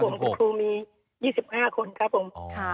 ผมคุณครูมี๒๕คนครับผม